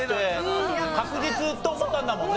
確実と思ったんだもんね？